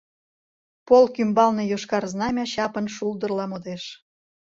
Полк ӱмбалне йошкар знамя чапын шулдырла модеш.